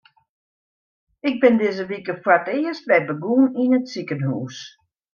Ik bin dizze wike foar it earst wer begûn yn it sikehús.